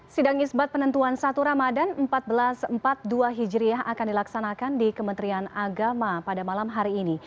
sidang isbat penentuan satu ramadhan empat belas empat dua ribu empat belas akan dilaksanakan di kementerian agama pada malam hari ini